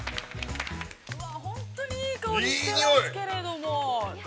◆本当に、いい香りしていますけれども。